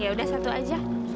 yaudah satu aja